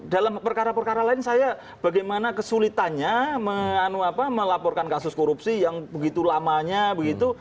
dalam perkara perkara lain saya bagaimana kesulitannya melaporkan kasus korupsi yang begitu lamanya begitu